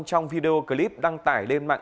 trong video clip đăng tải lên mạng